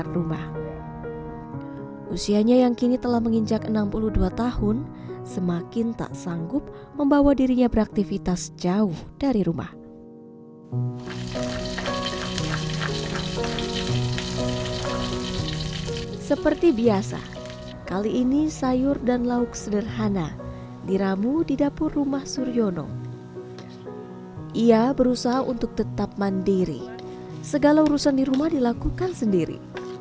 dekat rumah usianya yang kini telah menginjak enam puluh dua tahun semakin tak sanggup membawa dirinya beraktivitas jauh dari rumah seperti biasa kali ini sayur dan lauk sederhana diramu di dapur rumah suryono ia berusaha untuk tetap mandiri segala urusan di rumah dilakukan sendiri